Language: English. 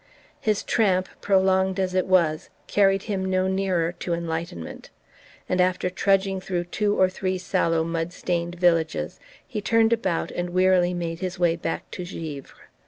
His tramp, prolonged as it was, carried him no nearer to enlightenment; and after trudging through two or three sallow mud stained villages he turned about and wearily made his way back to Givre.